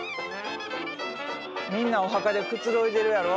みんなお墓でくつろいでるやろ？